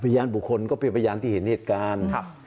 พยานบุคคลก็เป็นพยานที่เห็นเหตุการณ์